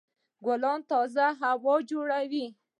ګلان تازه هوا جوړوي.